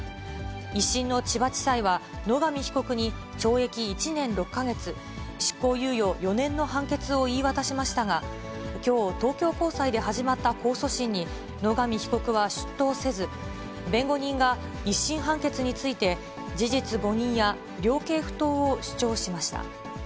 １審の千葉地裁は、野上被告に懲役１年６か月、執行猶予４年の判決を言い渡しましたが、きょう、東京高裁で始まった控訴審に、野上被告は出頭せず、弁護人が１審判決について、事実誤認や量刑不当を主張しました。